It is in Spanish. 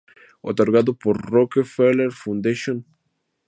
Otorgado por Rockefeller Foundation.